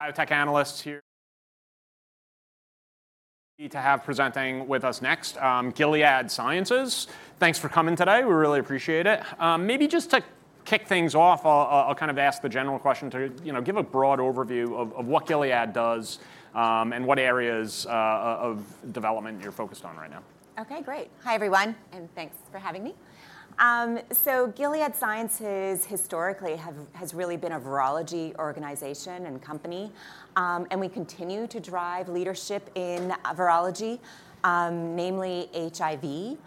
Biotech analysts here. We have presenting with us next, Gilead Sciences. Thanks for coming today. We really appreciate it. Maybe just to kick things off, I'll kind of ask the general question to, you know, give a broad overview of what Gilead does and what areas of development you're focused on right now. Okay, great. Hi, everyone, and thanks for having me. So Gilead Sciences historically has really been a virology organization and company. And we continue to drive leadership in virology, namely HIV,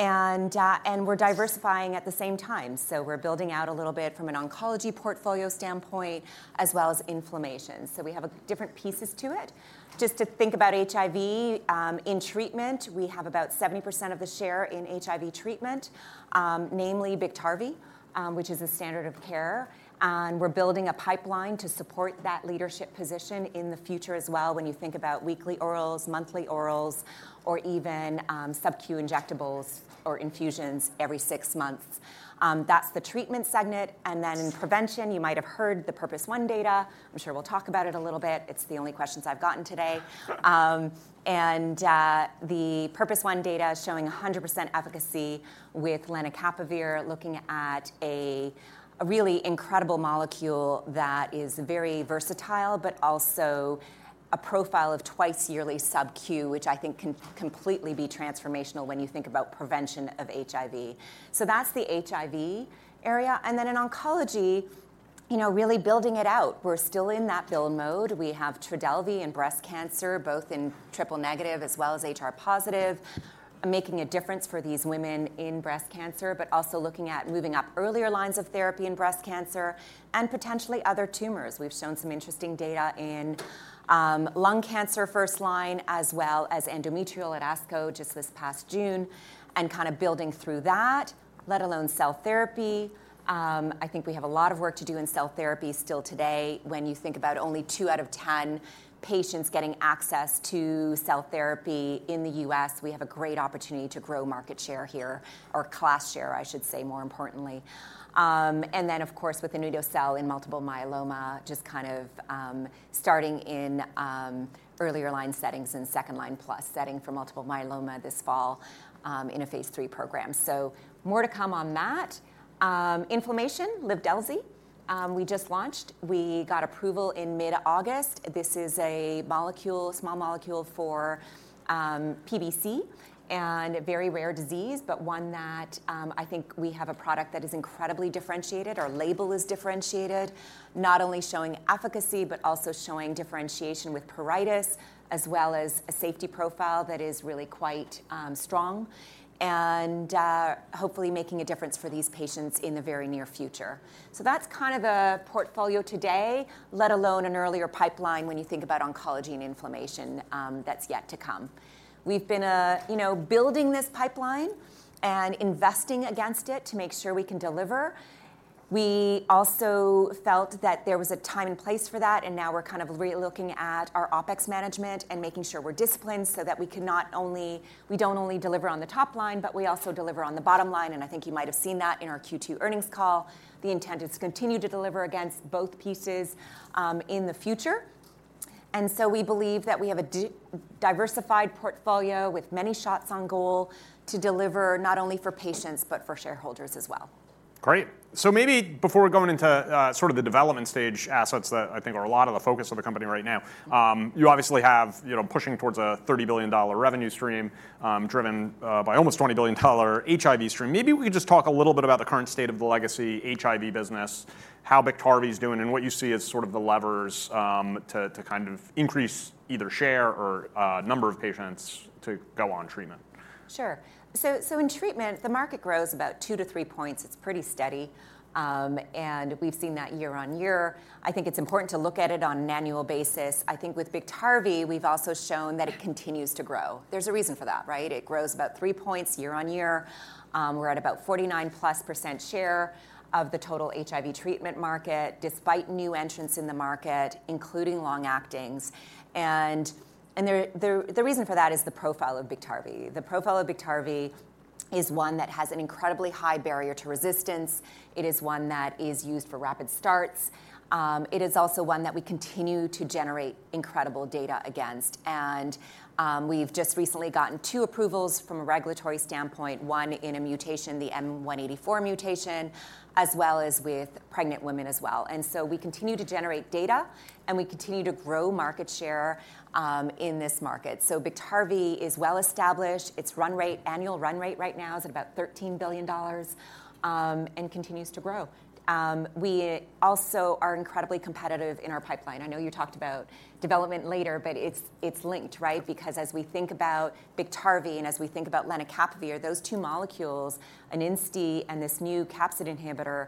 and we're diversifying at the same time. So we're building out a little bit from an oncology portfolio standpoint as well as inflammation. So we have different pieces to it. Just to think about HIV, in treatment, we have about 70% of the share in HIV treatment, namely Biktarvy, which is a standard of care, and we're building a pipeline to support that leadership position in the future as well, when you think about weekly orals, monthly orals, or even Sub-Q injectables or infusions every six months. That's the treatment segment, and then in prevention, you might have heard the PURPOSE 1 data. I'm sure we'll talk about it a little bit. It's the only questions I've gotten today. The PURPOSE 1 data is showing 100% efficacy with lenacapavir, looking at a really incredible molecule that is very versatile, but also a profile of twice-yearly Sub-Q, which I think can completely be transformational when you think about prevention of HIV. So that's the HIV area, and then in oncology, you know, really building it out. We're still in that build mode. We have Trodelvy in breast cancer, both in triple-negative as well as HR-positive, making a difference for these women in breast cancer, but also looking at moving up earlier lines of therapy in breast cancer and potentially other tumors. We've shown some interesting data in lung cancer first line, as well as endometrial at ASCO, just this past June, and kind of building through that, let alone cell therapy. I think we have a lot of work to do in cell therapy still today. When you think about only two out of ten patients getting access to cell therapy in the U.S., we have a great opportunity to grow market share here, or class share, I should say, more importantly. And then, of course, with the anito-cel in multiple myeloma, just kind of starting in earlier line settings and second-line plus setting for multiple myeloma this fall, in a phase III program. So more to come on that. Inflammation, Livdelzi, we just launched. We got approval in mid-August. This is a molecule, small molecule for PBC, and a very rare disease, but one that I think we have a product that is incredibly differentiated. Our label is differentiated, not only showing efficacy, but also showing differentiation with pruritus, as well as a safety profile that is really quite strong, and hopefully making a difference for these patients in the very near future. So that's kind of the portfolio today, let alone an earlier pipeline when you think about oncology and inflammation, that's yet to come. We've been you know, building this pipeline and investing against it to make sure we can deliver. We also felt that there was a time and place for that, and now we're kind of relooking at our OpEx management and making sure we're disciplined so that we can not only we don't only deliver on the top line, but we also deliver on the bottom line, and I think you might have seen that in our Q2 earnings call. The intent is to continue to deliver against both pieces in the future, and so we believe that we have a diversified portfolio with many shots on goal to deliver not only for patients, but for shareholders as well. Great. So maybe before going into, sort of the development stage, assets that I think are a lot of the focus of the company right now, you obviously have, you know, pushing towards a $30 billion revenue stream, driven by almost $20 billion HIV stream. Maybe we could just talk a little bit about the current state of the legacy HIV business, how Biktarvy is doing, and what you see as sort of the levers to kind of increase either share or number of patients to go on treatment. Sure. So in treatment, the market grows about two to three points. It's pretty steady, and we've seen that year on year. I think it's important to look at it on an annual basis. I think with Biktarvy, we've also shown that it continues to grow. There's a reason for that, right? It grows about three points year on year. We're at about 49-plus% share of the total HIV treatment market, despite new entrants in the market, including long-actings. And the reason for that is the profile of Biktarvy. The profile of Biktarvy is one that has an incredibly high barrier to resistance. It is one that is used for rapid starts. It is also one that we continue to generate incredible data against, and we've just recently gotten two approvals from a regulatory standpoint, one in a mutation, the M184 mutation, as well as with pregnant women as well. And so we continue to generate data, and we continue to grow market share in this market. So Biktarvy is well established. Its run rate, annual run rate right now is at about $13 billion, and continues to grow. We also are incredibly competitive in our pipeline. I know you talked about development later, but it's, it's linked, right? Because as we think about Biktarvy and as we think about lenacapavir, those two molecules, an INSTI and this new capsid inhibitor,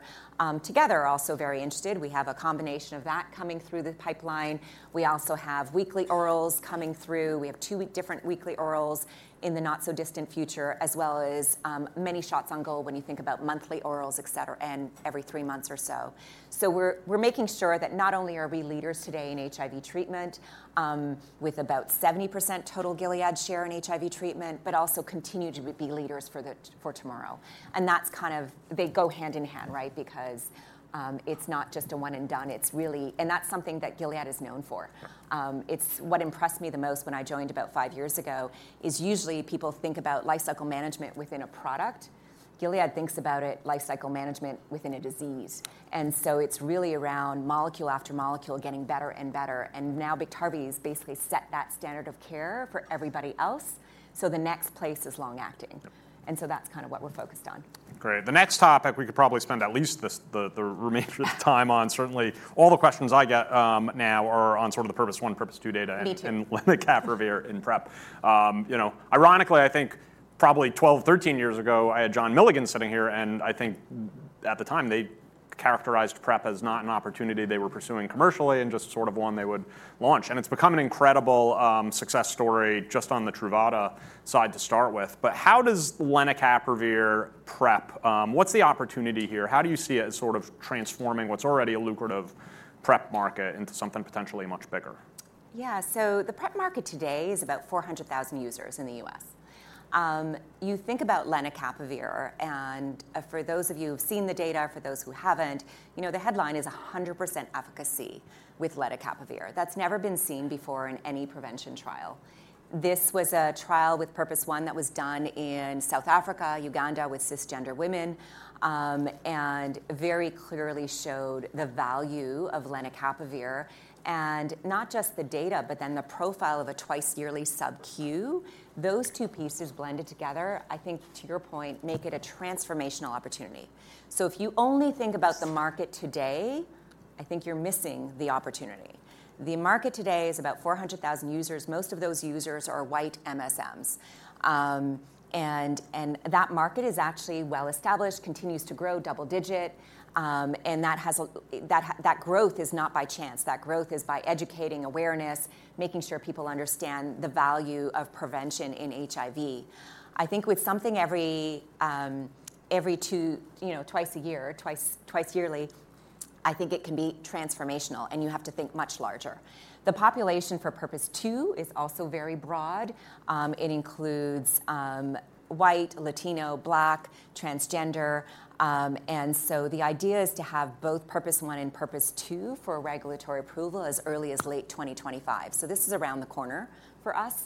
together are also very interested. We have a combination of that coming through the pipeline. We also have weekly orals coming through. We have two different weekly orals in the not-so-distant future, as well as many shots on goal when you think about monthly orals, et cetera, and every three months or so. So we're making sure that not only are we leaders today in HIV treatment with about 70% total Gilead share in HIV treatment, but also continue to be leaders for tomorrow. And that's kind of... They go hand in hand, right? Because it's not just a one and done, it's really and that's something that Gilead is known for. It's what impressed me the most when I joined about five years ago, is usually people think about lifecycle management within a product. Gilead thinks about it, lifecycle management within a disease, and so it's really around molecule after molecule, getting better and better, and now Biktarvy has basically set that standard of care for everybody else, so the next place is long acting. That's kind of what we're focused on. Great. The next topic, we could probably spend at least the remaining time on. Certainly, all the questions I get now are on sort of the PURPOSE 1, PURPOSE 2 data. And lenacapavir in PrEP. You know, ironically, I think... probably 12, 13 years ago, I had John Milligan sitting here, and I think, at the time, they characterized PrEP as not an opportunity they were pursuing commercially, and just sort of one they would launch. And it's become an incredible success story just on the Truvada side to start with. But how does lenacapavir PrEP, what's the opportunity here? How do you see it as sort of transforming what's already a lucrative PrEP market into something potentially much bigger? Yeah, so the PrEP market today is about 400,000 users in the U.S. You think about lenacapavir, and, for those of you who've seen the data, for those who haven't, you know, the headline is 100% efficacy with lenacapavir. That's never been seen before in any prevention trial. This was a trial with PURPOSE 1 that was done in South Africa, Uganda, with cisgender women, and very clearly showed the value of lenacapavir, and not just the data, but then the profile of a twice yearly Sub-Q. Those two pieces blended together, I think, to your point, make it a transformational opportunity. So if you only think about the market today, I think you're missing the opportunity. The market today is about 400,000 users. Most of those users are white MSMs. And that market is actually well established, continues to grow double-digit, and that growth is not by chance. That growth is by educating awareness, making sure people understand the value of prevention in HIV. I think with something every two, you know, twice a year, twice yearly, I think it can be transformational, and you have to think much larger. The population for PURPOSE 2 is also very broad. It includes White, Latino, Black, transgender, and so the idea is to have both PURPOSE 1 and PURPOSE 2 for regulatory approval as early as late 2025, so this is around the corner for us.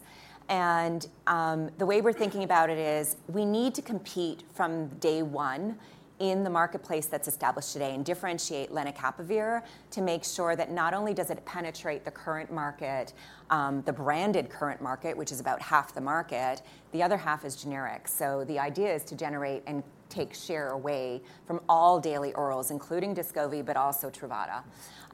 The way we're thinking about it is, we need to compete from day one in the marketplace that's established today, and differentiate lenacapavir to make sure that not only does it penetrate the current market, the branded current market, which is about half the market, the other half is generic, so the idea is to generate and take share away from all daily orals, including Descovy, but also Truvada,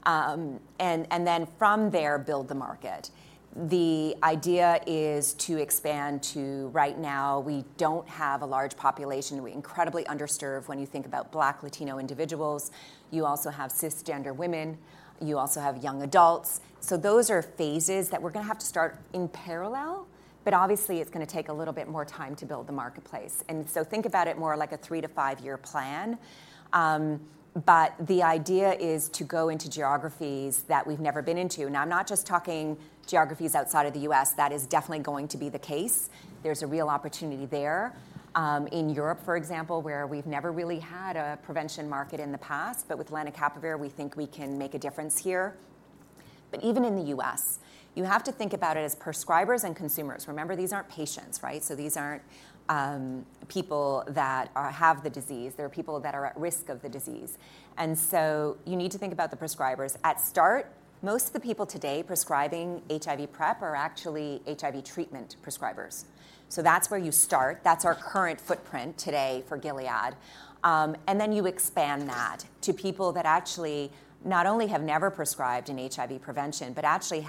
and then from there, build the market. The idea is to expand to... Right now, we don't have a large population. We incredibly underserve when you think about Black, Latino individuals. You also have cisgender women, you also have young adults, so those are phases that we're gonna have to start in parallel, but obviously, it's gonna take a little bit more time to build the marketplace. And so think about it more like a three to five-year plan. But the idea is to go into geographies that we've never been into. Now, I'm not just talking geographies outside of the U.S., that is definitely going to be the case. There's a real opportunity there, in Europe, for example, where we've never really had a prevention market in the past, but with lenacapavir, we think we can make a difference here. But even in the U.S., you have to think about it as prescribers and consumers. Remember, these aren't patients, right? So these aren't people that have the disease. They are people that are at risk of the disease, and so you need to think about the prescribers. At start, most of the people today prescribing HIV PrEP are actually HIV treatment prescribers, so that's where you start. That's our current footprint today for Gilead, and then you expand that to people that actually not only have never prescribed in HIV prevention, but actually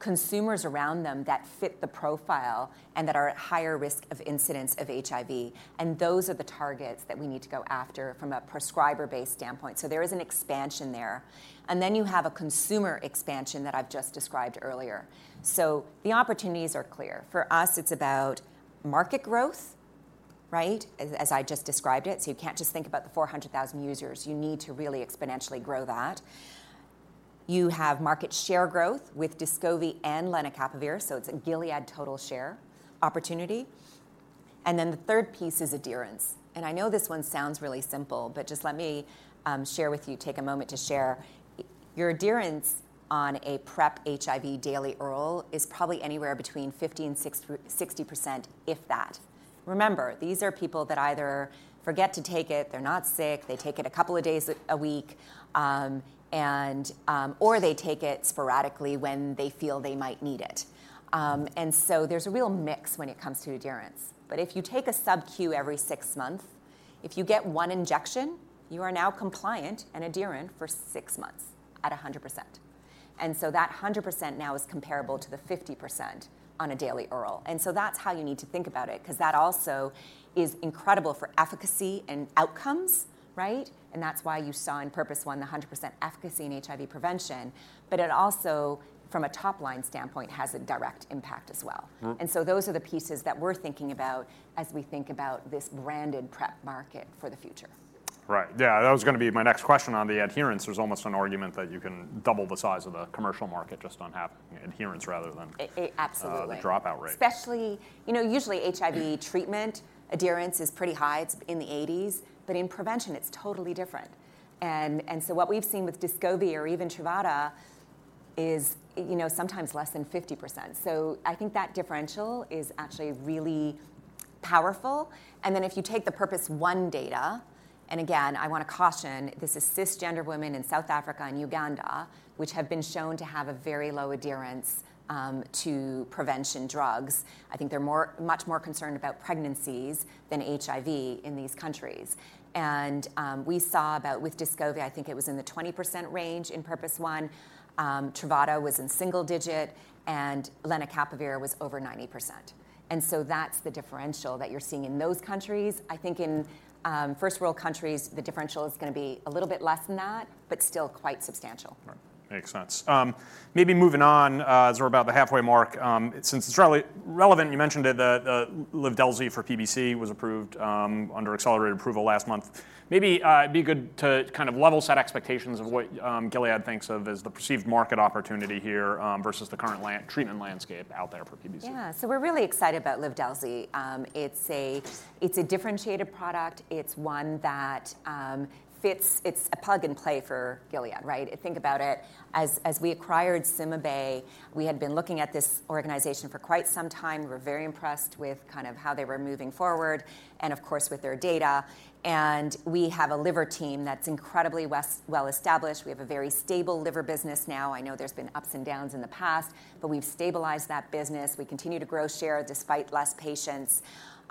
have consumers around them that fit the profile and that are at higher risk of incidence of HIV, and those are the targets that we need to go after from a prescriber-based standpoint, so there is an expansion there, and then you have a consumer expansion that I've just described earlier, so the opportunities are clear. For us, it's about market growth, right? As I just described it, so you can't just think about the 400,000 users. You need to really exponentially grow that. You have market share growth with Descovy and lenacapavir, so it's a Gilead total share opportunity. And then, the third piece is adherence, and I know this one sounds really simple, but just let me share with you, take a moment to share. Your adherence on a PrEP HIV daily oral is probably anywhere between 50%-60%, if that. Remember, these are people that either forget to take it, they're not sick, they take it a couple of days a week, and or they take it sporadically when they feel they might need it. And so there's a real mix when it comes to adherence. But if you take a Sub-Q every six months, if you get one injection, you are now compliant and adherent for six months at 100%, and so that 100% now is comparable to the 50% on a daily oral. And so that's how you need to think about it, 'cause that also is incredible for efficacy and outcomes, right? And that's why you saw in PURPOSE 1 the 100% efficacy in HIV prevention, but it also, from a top-line standpoint, has a direct impact as well. And so those are the pieces that we're thinking about as we think about this branded PrEP market for the future. Right. Yeah, that was gonna be my next question on the adherence. There's almost an argument that you can double the size of the commercial market just on having adherence rather than- Absolutely.... the dropout rate. Especially, you know, usually HIV treatment adherence is pretty high, it's in the 80s, but in prevention, it's totally different. And so what we've seen with Descovy or even Truvada is, you know, sometimes less than 50%, so I think that differential is actually really powerful. And then, if you take the PURPOSE 1 data, and again, I wanna caution, this is cisgender women in South Africa and Uganda, which have been shown to have a very low adherence to prevention drugs. I think they're more, much more concerned about pregnancies than HIV in these countries. And we saw about, with Descovy, I think it was in the 20% range in PURPOSE 1, Truvada was in single digits, and lenacapavir was over 90%. And so that's the differential that you're seeing in those countries. I think in first world countries, the differential is gonna be a little bit less than that, but still quite substantial. Right. Makes sense. Maybe moving on, as we're about the halfway mark, since it's relevant, you mentioned it, the Livdelzi for PBC was approved under accelerated approval last month. Maybe, it'd be good to kind of level set expectations of what Gilead thinks of as the perceived market opportunity here, versus the current treatment landscape out there for PBC. Yeah. So we're really excited about Livdelzi. It's a differentiated product. It's one that fits. It's a plug-and-play for Gilead, right? Think about it, as we acquired CymaBay, we had been looking at this organization for quite some time. We were very impressed with kind of how they were moving forward and, of course, with their data, and we have a liver team that's incredibly well-established. We have a very stable liver business now. I know there's been ups and downs in the past, but we've stabilized that business. We continue to grow share despite less patients,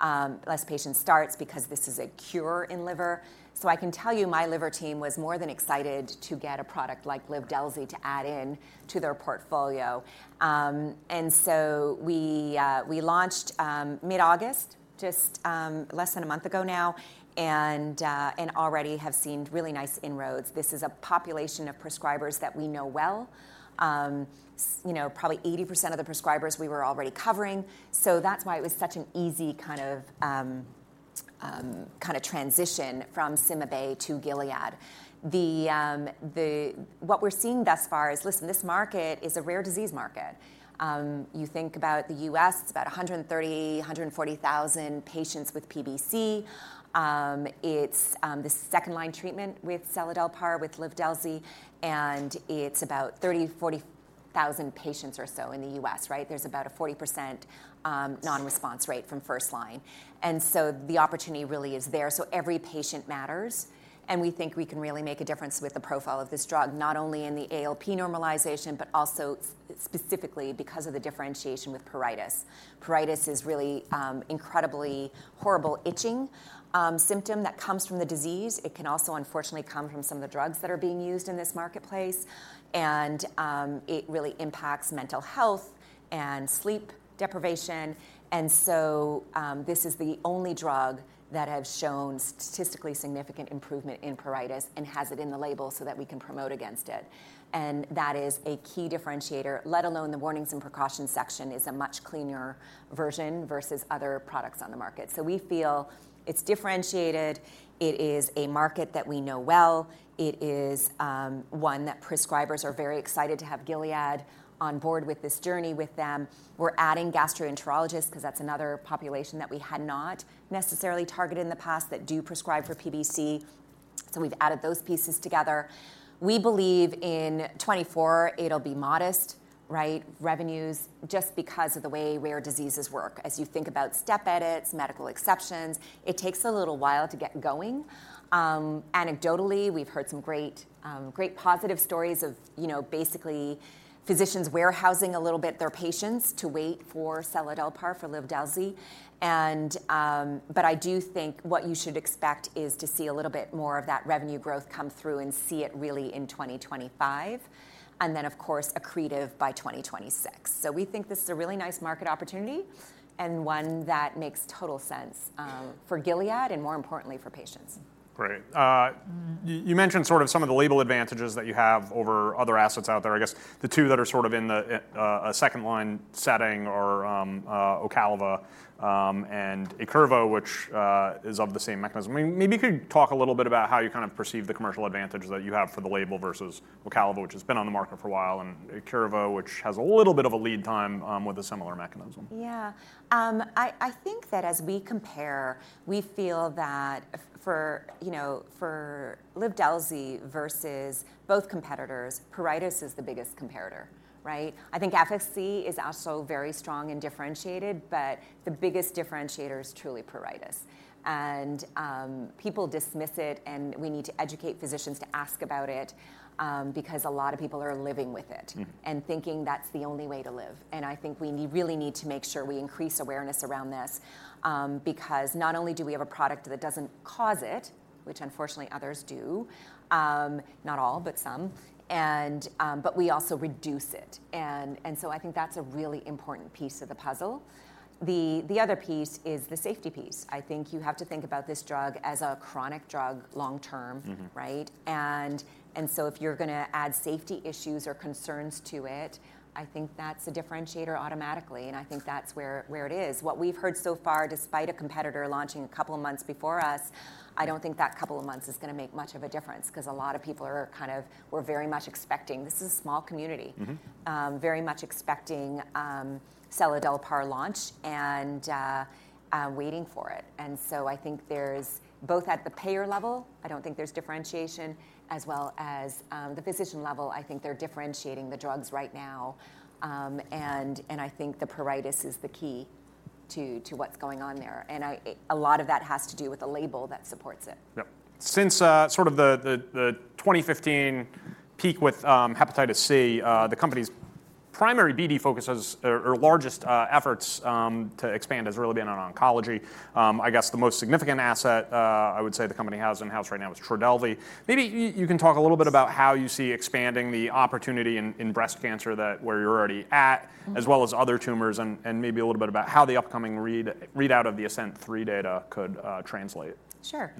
less patient starts, because this is a cure in liver. So I can tell you, my liver team was more than excited to get a product like Livdelzi to add in to their portfolio. And so we launched mid-August, just less than a month ago now, and already have seen really nice inroads. This is a population of prescribers that we know well. You know, probably 80% of the prescribers we were already covering, so that's why it was such an easy kind of transition from CymaBay to Gilead. What we're seeing thus far is, listen, this market is a rare disease market. You know, the US, it's about 130,000-140,000 patients with PBC. It's the second-line treatment with seladelpar, with Livdelzi, and it's about 30,000-40,000 patients or so in the US, right? There's about a 40% non-response rate from first line, and so the opportunity really is there, so every patient matters, and we think we can really make a difference with the profile of this drug, not only in the ALP normalization, but also specifically because of the differentiation with pruritus. Pruritus is really incredibly horrible itching symptom that comes from the disease. It can also, unfortunately, come from some of the drugs that are being used in this marketplace, and it really impacts mental health and sleep deprivation. This is the only drug that has shown statistically significant improvement in pruritus and has it in the label so that we can promote against it. That is a key differentiator, let alone the warnings and precautions section is a much cleaner version versus other products on the market. So we feel it's differentiated, it is a market that we know well, it is, one that prescribers are very excited to have Gilead on board with this journey with them. We're adding gastroenterologists, 'cause that's another population that we had not necessarily targeted in the past that do prescribe for PBC, so we've added those pieces together. We believe in 2024, it'll be modest, right? Revenues, just because of the way rare diseases work. As you think about step edits, medical exceptions, it takes a little while to get going. Anecdotally, we've heard some great positive stories of, you know, basically physicians warehousing a little bit their patients to wait for seladelpar, for Livdelzi. I do think what you should expect is to see a little bit more of that revenue growth come through and see it really in 2025, and then, of course, accretive by 2026. So we think this is a really nice market opportunity and one that makes total sense for Gilead and more importantly, for patients. Great. You mentioned sort of some of the label advantages that you have over other assets out there. I guess the two that are sort of in the a second line setting are Ocaliva and Iqirvo, which is of the same mechanism. Maybe you could talk a little bit about how you kind of perceive the commercial advantages that you have for the label versus Ocaliva, which has been on the market for a while, and Iqirvo, which has a little bit of a lead time with a similar mechanism. Yeah. I think that as we compare, we feel that for, you know, for Livdelzi versus both competitors, pruritus is the biggest comparator, right? I think FXR is also very strong and differentiated, but the biggest differentiator is truly pruritus. And people dismiss it, and we need to educate physicians to ask about it, because a lot of people are living with it-... and thinking that's the only way to live. I think we really need to make sure we increase awareness around this, because not only do we have a product that doesn't cause it, which unfortunately others do, not all, but some, and but we also reduce it. So I think that's a really important piece of the puzzle. The other piece is the safety piece. I think you have to think about this drug as a chronic drug long term. Right? And so if you're gonna add safety issues or concerns to it, I think that's a differentiator automatically, and I think that's where it is. What we've heard so far, despite a competitor launching a couple of months before us, I don't think that couple of months is gonna make much of a difference, 'cause a lot of people are kind of... We're very much expecting. This is a small community. Very much expecting seladelpar launch and waiting for it and so I think there's both at the payer level. I don't think there's differentiation, as well as the physician level. I think they're differentiating the drugs right now and I think the pruritus is the key to what's going on there, and a lot of that has to do with the label that supports it. Yep. Since sort of the 2015 peak with Hepatitis C, the company's primary BD focus is, or largest efforts to expand has really been on oncology. I guess the most significant asset I would say the company has in-house right now is Trodelvy. Maybe you can talk a little bit about how you see expanding the opportunity in breast cancer, that where you're already at, as well as other tumors, and maybe a little bit about how the upcoming readout of the ASCENT-03 data could translate- Sure.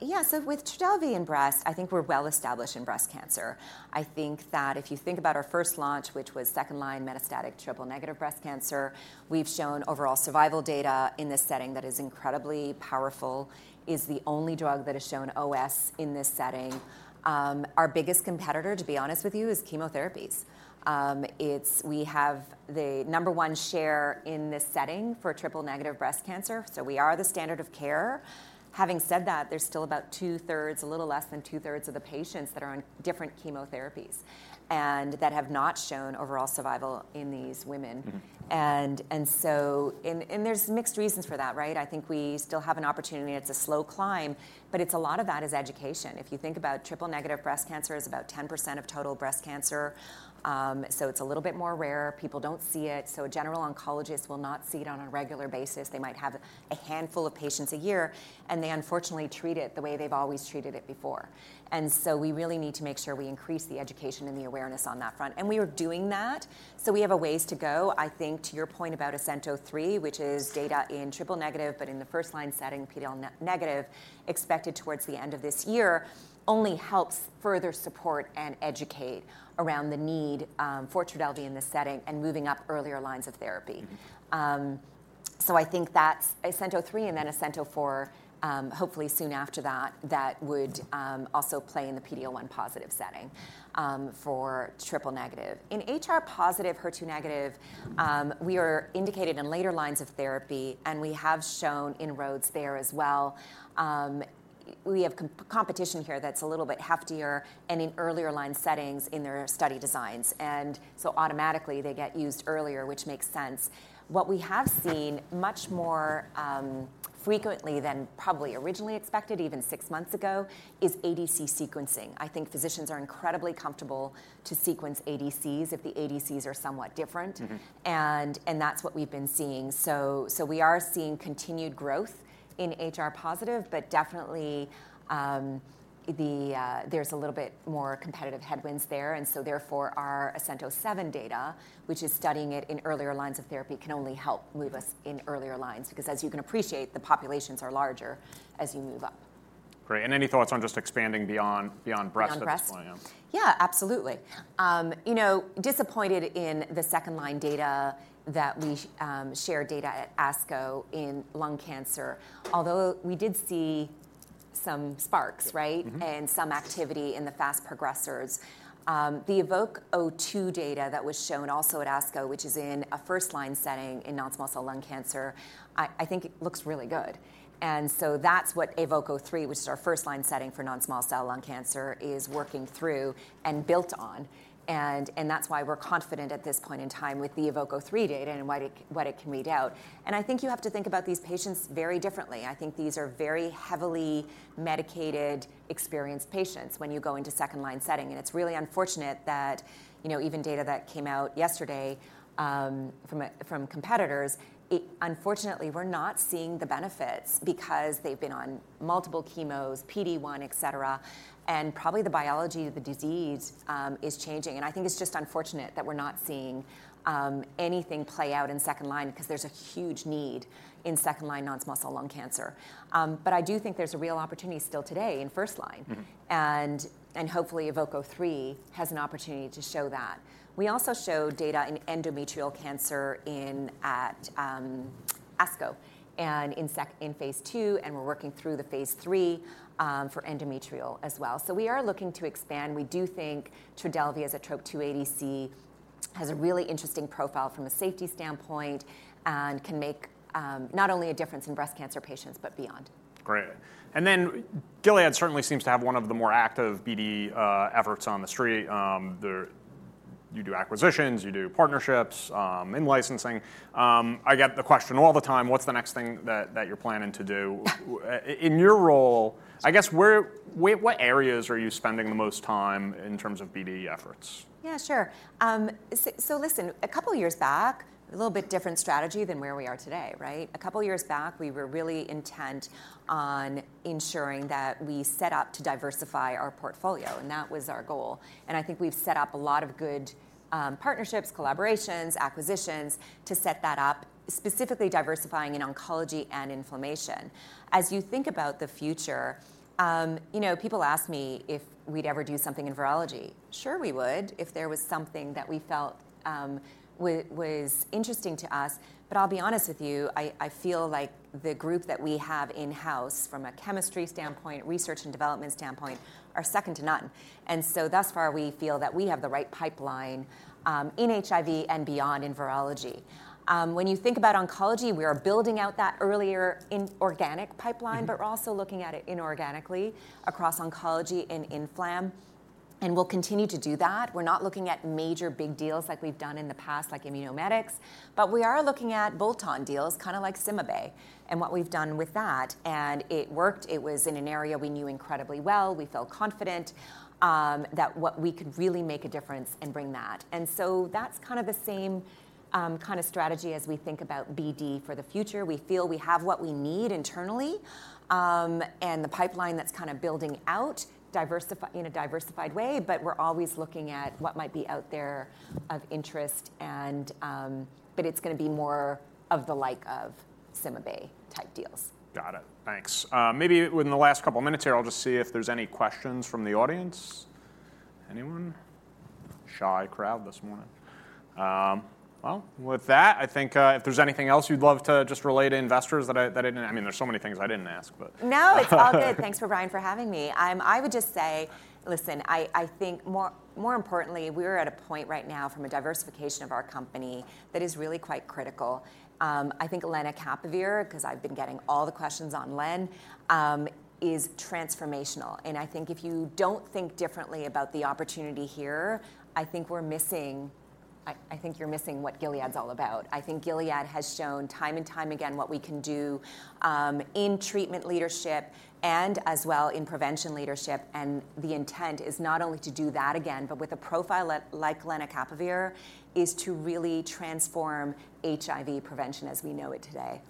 Yeah, so with Trodelvy in breast, I think we're well-established in breast cancer. I think that if you think about our first launch, which was second-line metastatic triple-negative breast cancer, we've shown overall survival data in this setting that is incredibly powerful, is the only drug that has shown OS in this setting. Our biggest competitor, to be honest with you, is chemotherapies. It's, we have the number one share in this setting for triple-negative breast cancer, so we are the standard of care. Having said that, there's still about two-thirds, a little less than two-thirds of the patients that are on different chemotherapies and that have not shown overall survival in these women. There's mixed reasons for that, right? I think we still have an opportunity, and it's a slow climb, but it's a lot of that is education. If you think about triple-negative breast cancer, it's about 10% of total breast cancer. So it's a little bit more rare. People don't see it, so a general oncologist will not see it on a regular basis. They might have a handful of patients a year, and they unfortunately treat it the way they've always treated it before. And so we really need to make sure we increase the education and the awareness on that front, and we are doing that. So we have a ways to go. I think, to your point about ASCENT-03, which is data in triple-negative, but in the first-line setting, PD-L1 negative, expected towards the end of this year, only helps further support and educate around the need for Trodelvy in this setting and moving up earlier lines of therapy. So I think that's ASCENT-03 and then ASCENT-04, hopefully soon after that, that would also play in the PD-L1 positive setting for triple-negative. In HR-positive, HER2-negative, we are indicated in later lines of therapy, and we have shown inroads there as well. We have competition here that's a little bit heftier and in earlier line settings in their study designs, and so automatically they get used earlier, which makes sense. What we have seen much more frequently than probably originally expected, even six months ago, is ADC sequencing. I think physicians are incredibly comfortable to sequence ADCs if the ADCs are somewhat different. That's what we've been seeing. We are seeing continued growth in HR-positive, but definitely, there's a little bit more competitive headwinds there, and so therefore, our ASCENT-07 data, which is studying it in earlier lines of therapy, can only help move us in earlier lines. Because as you can appreciate, the populations are larger as you move up. Great, and any thoughts on just expanding beyond breast at this point? Beyond breast? Yeah, absolutely. You know, disappointed in the second-line data that we shared data at ASCO in lung cancer. Although we did see some sparks, right? And some activity in the fast progressors. The EVOKE-02 data that was shown also at ASCO, which is in a first-line setting in non-small cell lung cancer, I think it looks really good. And so that's what EVOKE-03, which is our first-line setting for non-small cell lung cancer, is working through and built on. And that's why we're confident at this point in time with the EVOKE-03 data and what it can read out. And I think you have to think about these patients very differently. I think these are very heavily medicated, experienced patients when you go into second-line setting, and it's really unfortunate that, you know, even data that came out yesterday from competitors, it unfortunately, we're not seeing the benefits because they've been on multiple chemos, PD-1, et cetera. And probably the biology of the disease is changing, and I think it's just unfortunate that we're not seeing anything play out in second-line because there's a huge need in second-line non-small cell lung cancer. But I do think there's a real opportunity still today in first-line. Hopefully, EVOKE-03 has an opportunity to show that. We also showed data in endometrial cancer at ASCO and in phase II, and we're working through the phase III for endometrial as well. We are looking to expand. We do think Trodelvy as a Trop-2 ADC has a really interesting profile from a safety standpoint and can make not only a difference in breast cancer patients, but beyond. Great. And then Gilead certainly seems to have one of the more active BD efforts on the street. You do acquisitions, you do partnerships, in-licensing. I get the question all the time: What's the next thing that you're planning to do? In your role, I guess, what areas are you spending the most time in terms of BD efforts? Yeah, sure. So listen, a couple of years back, a little bit different strategy than where we are today, right? A couple of years back, we were really intent on ensuring that we set up to diversify our portfolio, and that was our goal, and I think we've set up a lot of good partnerships, collaborations, acquisitions to set that up, specifically diversifying in oncology and inflammation. As you think about the future, you know, people ask me if we'd ever do something in virology. Sure, we would, if there was something that we felt was interesting to us. But I'll be honest with you, I feel like the group that we have in-house, from a chemistry standpoint, research and development standpoint, are second to none And so thus far, we feel that we have the right pipeline in HIV and beyond in virology. When you think about oncology, we are building out that earlier inorganic pipeline, but we're also looking at it inorganically across oncology and inflam, and we'll continue to do that. We're not looking at major big deals like we've done in the past, like Immunomedics, but we are looking at bolt-on deals, kind of like CymaBay, and what we've done with that, and it worked. It was in an area we knew incredibly well. We felt confident that we could really make a difference and bring that, so that's kind of the same kind of strategy as we think about BD for the future. We feel we have what we need internally, and the pipeline that's kind of building out, in a diversified way, but we're always looking at what might be out there of interest, but it's gonna be more of the like of CymaBay-type deals. Got it. Thanks. Maybe within the last couple of minutes here, I'll just see if there's any questions from the audience. Anyone? Shy crowd this morning. Well, with that, I think, if there's anything else you'd love to just relay to investors that I didn't... I mean, there's so many things I didn't ask, but No, it's all good. Thanks for Brian, for having me. I would just say... Listen, I think more, more importantly, we are at a point right now from a diversification of our company that is really quite critical. I think lenacapavir, 'cause I've been getting all the questions on len, is transformational, and I think if you don't think differently about the opportunity here, I think we're missing. I think you're missing what Gilead's all about. I think Gilead has shown time and time again what we can do, in treatment leadership and as well in prevention leadership, and the intent is not only to do that again, but with a profile like lenacapavir, is to really transform HIV prevention as we know it today.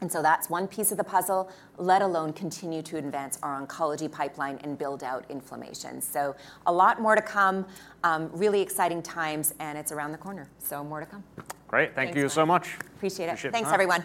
And so that's one piece of the puzzle, let alone continue to advance our oncology pipeline and build out inflammation. So a lot more to come, really exciting times, and it's around the corner, so more to come. Great. Thanks, Brian. Thank you so much. Appreciate it. Appreciate the time. Thanks, everyone.